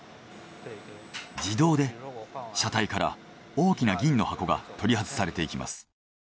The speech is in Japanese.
自動で車体から大きな銀の箱が取り外されていきます。